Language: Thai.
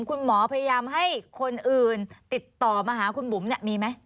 คุณหมอพยายามให้คนอื่นติดต่อมาหาคุณบุ๋มมีไหม